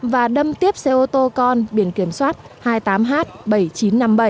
và đâm tiếp xe ô tô con biển kiểm soát hai mươi tám h bảy nghìn chín trăm năm mươi bảy